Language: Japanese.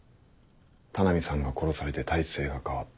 田波さんが殺されて体制が変わった。